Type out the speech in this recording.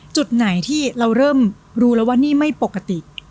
จุดไหนที่เราเริ่มรู้แล้วว่านี่ไม่ปกติ